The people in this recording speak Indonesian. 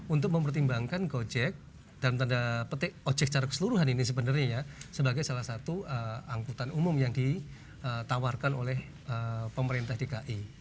untuk mempertimbangkan gojek dalam tanda petik ojek secara keseluruhan ini sebenarnya ya sebagai salah satu angkutan umum yang ditawarkan oleh pemerintah dki